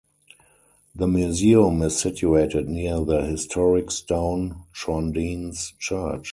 The museum is situated near the historic, stone Trondenes Church.